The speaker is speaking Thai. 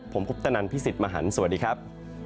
ผมคุปตนันพี่สิทธิ์มหันฯสวัสดีครับ